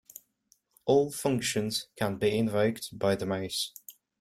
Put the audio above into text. All functions can be invoked by the mouse.